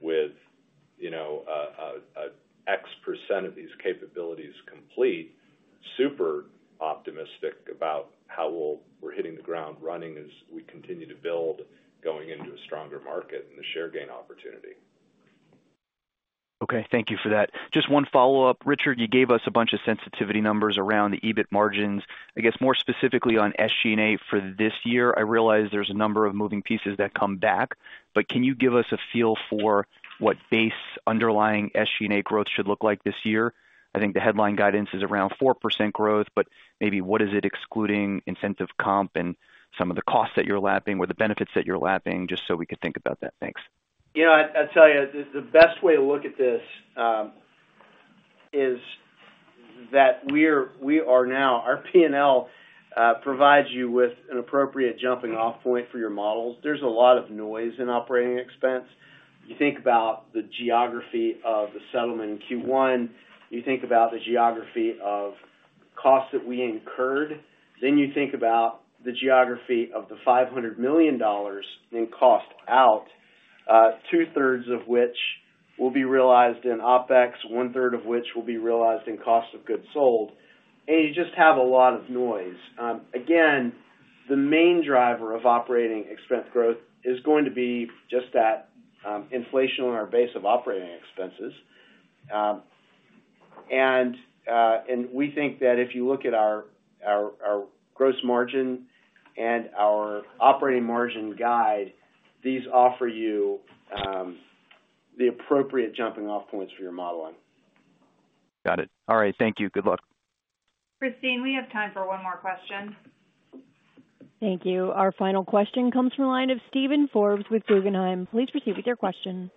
with X% of these capabilities complete, super optimistic about how we're hitting the ground running as we continue to build going into a stronger market and the share gain opportunity. Okay. Thank you for that. Just one follow-up. Richard, you gave us a bunch of sensitivity numbers around the EBIT margins. I guess more specifically on SG&A for this year, I realize there's a number of moving pieces that come back. But can you give us a feel for what base underlying SG&A growth should look like this year? I think the headline guidance is around 4% growth, but maybe what is it excluding incentive comp and some of the costs that you're lapping or the benefits that you're lapping, just so we could think about that? Thanks. I'll tell you, the best way to look at this is that we are now. Our P&L provides you with an appropriate jumping-off point for your models. There's a lot of noise in operating expense. You think about the geography of the settlement in Q1. You think about the geography of costs that we incurred. Then you think about the geography of the $500 million in cost out, 2/3 of which will be realized in OPEX, one-third of which will be realized in cost of goods sold. And you just have a lot of noise. Again, the main driver of operating expense growth is going to be just that inflation on our base of operating expenses. And we think that if you look at our gross margin and our operating margin guide, these offer you the appropriate jumping-off points for your modeling. Got it. All right. Thank you. Good luck. Christine, we have time for one more question. Thank you. Our final question comes from the line of Steven Forbes with Guggenheim. Please proceed with your question.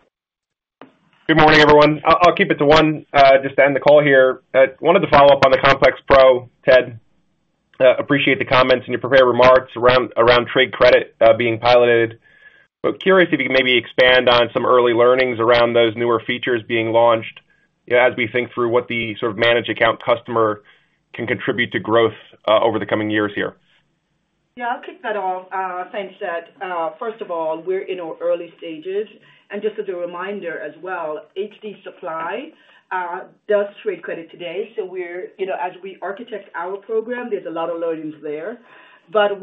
Good morning, everyone. I'll keep it to one just to end the call here. I wanted to follow up on the Complex Pro, Ted. Appreciate the comments and your prepared remarks around trade credit being piloted. But curious if you can maybe expand on some early learnings around those newer features being launched as we think through what the sort of Managed Account customer can contribute to growth over the coming years here? Yeah. I'll kick that off. Thanks, Ted. First of all, we're in our early stages. And just as a reminder as well, HD Supply does trade credit today. So as we architect our program, there's a lot of learnings there. But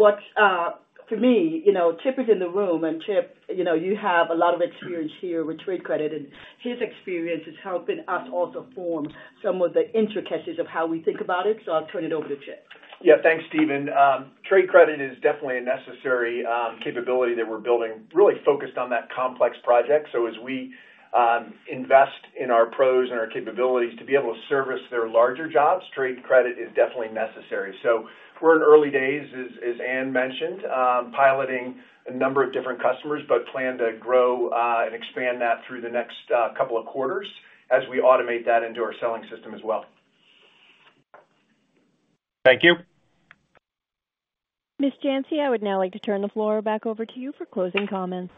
for me, Chip is in the room. And Chip, you have a lot of experience here with trade credit. And his experience is helping us also form some of the intricacies of how we think about it. So I'll turn it over to Chip. Yeah. Thanks, Steven. Trade credit is definitely a necessary capability that we're building really focused on that Complex Pro. So as we invest in our Pros and our capabilities to be able to service their larger jobs, trade credit is definitely necessary. So we're in early days, as Ann mentioned, piloting a number of different customers but plan to grow and expand that through the next couple of quarters as we automate that into our selling system as well. Thank you. Ms. Janci, I would now like to turn the floor back over to you for closing comments.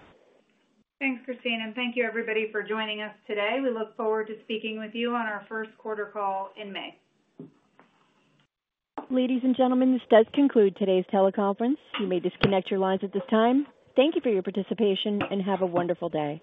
Thanks, Christine. Thank you, everybody, for joining us today. We look forward to speaking with you on our first quarter call in May. Ladies and gentlemen, this does conclude today's teleconference. You may disconnect your lines at this time. Thank you for your participation, and have a wonderful day.